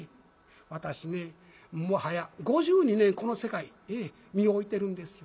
私ねもう早５２年この世界身を置いてるんですよ。